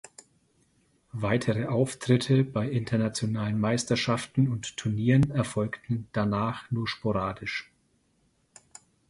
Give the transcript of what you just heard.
Weitere Auftritte bei internationalen Meisterschaften und Turnieren erfolgten danach nur sporadisch.